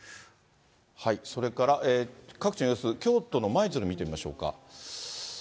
それから各地の様子、京都の舞鶴見てみましょうか。